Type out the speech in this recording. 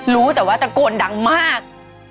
รู้แต่ว่าตะโกนดังมาก